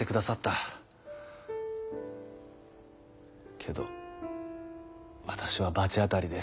けど私は罰当たりで。